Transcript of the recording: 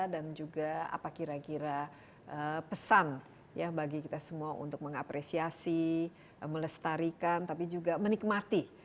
dan juga apa kira kira pesan ya bagi kita semua untuk mengapresiasi melestarikan tapi juga menikmati